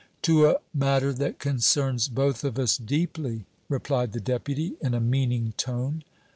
"To a matter that concerns both of us deeply," replied the Deputy, in a meaning tone.